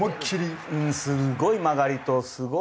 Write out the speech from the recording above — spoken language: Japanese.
すごい曲がりとすごいまあ。